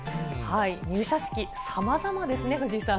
入社式、さまざまですね、藤井さん。